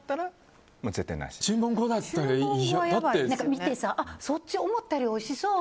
見て、そっち思ったよりもおいしそう！